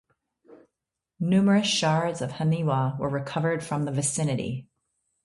Numerous shards of "haniwa" were recovered from the vicinity.